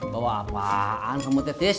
bawa apaan kamu tetis